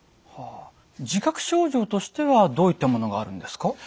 自覚症状としてはどういったものがあるんですか？